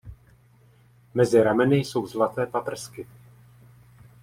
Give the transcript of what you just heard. Mezi rameny jsou zlaté paprsky.